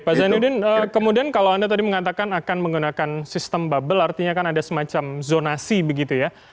pak zainuddin kemudian kalau anda tadi mengatakan akan menggunakan sistem bubble artinya kan ada semacam zonasi begitu ya